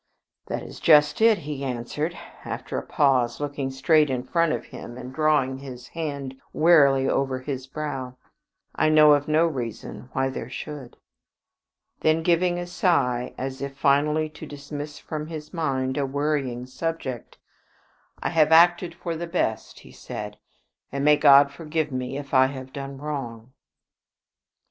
"That is just it," he answered, after a pause, looking straight in front of him and drawing his hand wearily over his brow. "I know of no reason why there should." Then giving a sigh, as if finally to dismiss from his mind a worrying subject "I have acted for the best," he said, "and may God forgive me if I have done wrong."